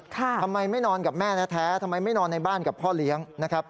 ทำไมไม่นอนกับแม่แท้ทำไมไม่นอนในบ้านกับพ่อเลี้ยงนะครับ